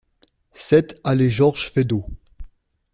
sept allée Georges Feydeau